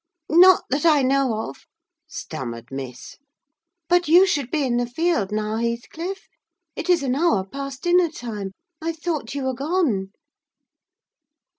"Not that I know of," stammered Miss: "but you should be in the field now, Heathcliff. It is an hour past dinner time; I thought you were gone."